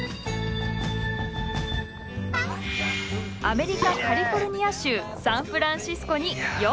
アメリカ・カリフォルニア州サンフランシスコにようこそ。